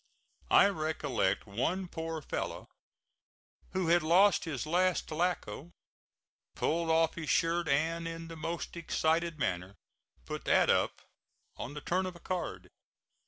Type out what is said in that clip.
I recollect one poor fellow, who had lost his last tlacko, pulled off his shirt and, in the most excited manner, put that up on the turn of a card.